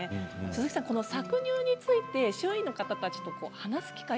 鈴木さん、搾乳について周囲の方たちと話す機会